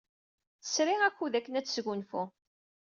Tesri akud akken ad tesgunfu.